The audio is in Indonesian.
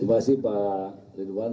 terima kasih pak ridwan